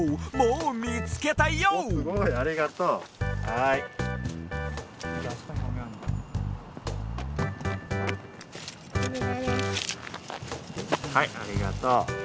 はいありがとう。